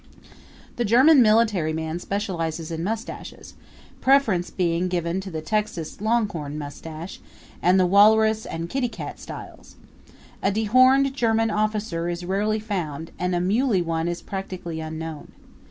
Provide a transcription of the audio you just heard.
The German military man specializes in mustaches, preference being given to the Texas longhorn mustache, and the walrus and kitty cat styles. A dehorned German officer is rarely found and a muley one is practically unknown.